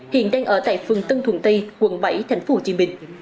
hiện đang ở tại phường tân thuận tây quận bảy thành phố hồ chí minh